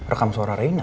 rekam suara reina